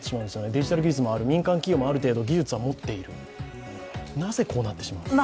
デジタル技術もある、民間企業もある程度技術は持っている、なぜこうなってしまったのか。